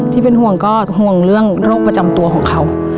ที่เป็นห่วงก็ห่วงเรื่องโรคประจำตัวของเขา